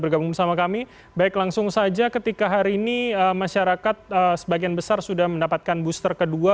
baik langsung saja ketika hari ini masyarakat sebagian besar sudah mendapatkan booster kedua